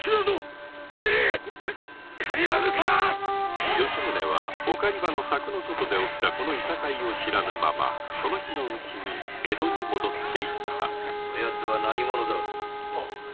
帰らぬか吉宗はお狩場の柵の外で起きたイサカイを知らぬままその日のうちに江戸へ戻って行ったそやつは何者だ？